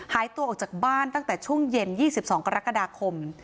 หายตัวออกจากบ้านตั้งแต่ช่วงเย็น๒๒กรกฎาคม